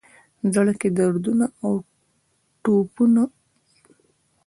زړه کي دردونو اوټپونو،